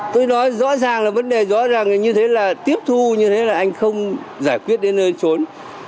tôi nói rõ ràng là vấn đề rõ ràng như thế là tiếp thu như thế là anh không giải quyết đến nơi trốn